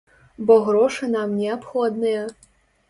Бо грошы нам неабходныя.